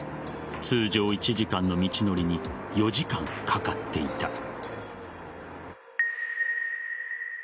通常１時間の道のりに４時間かかっていた。